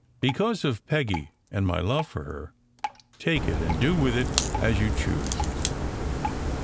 Because of Peggy and my love for her, take it and do with it as you choose."